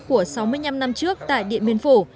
của sáu mươi năm năm trước tại điện biên phủ